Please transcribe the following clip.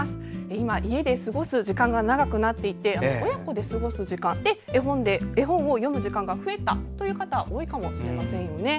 今、家で過ごす時間が長くなっていて親子で過ごす時間で絵本を読む時間が増えたという方多いかもしれませんよね。